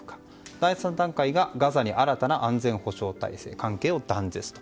第３段階が、ガザに新たな安全保障体制関係を断絶と。